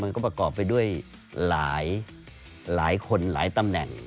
ประกอบไปด้วยหลายคนหลายตำแหน่ง